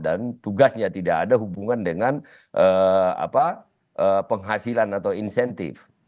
dan tugasnya tidak ada hubungan dengan penghasilan atau insentif